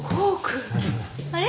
あれ？